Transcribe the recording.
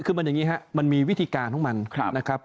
คือมันอย่างนี้ครับมันมีวิธีการของมันนะครับ